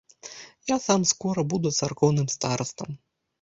Я сам скора буду царкоўным старастам.